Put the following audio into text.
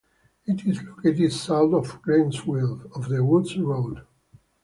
It is located south of Gleedsville off The Woods Road.